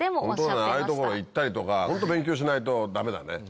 ああいう所に行ったりとかホント勉強しないとダメだね。